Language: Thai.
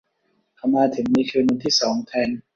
เขามาถึงในคืนวันที่สองแทน